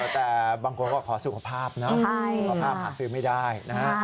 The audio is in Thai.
แต่บางคนก็ขอสุขภาพนะสุขภาพหาซื้อไม่ได้นะฮะ